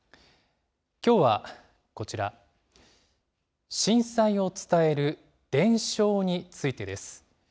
きょうはこちら、震災を伝える・伝承についてです。